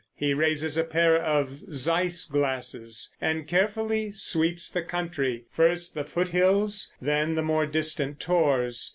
He raises a pair of Zeiss glasses and carefully sweeps the country—first the foot hills, then the more distant tors.